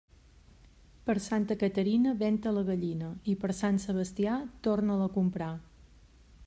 Per Santa Caterina, ven-te la gallina, i per Sant Sebastià torna-la a comprar.